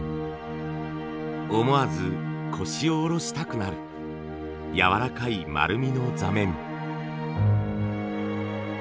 思わず腰を下ろしたくなるやわらかい丸みの座面。